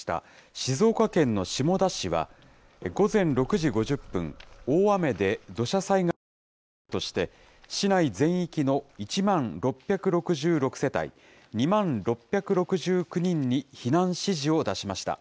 静岡県の下田市は、午前６時５０分、大雨で土砂災害のおそれがあるとして、市内全域の１万６６６世帯２万６６９人に避難指示を出しました。